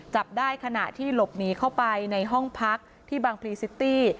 จับได้ขณะที่หลบหนีเข้าไปในห้องพักที่บางพลีซิตี้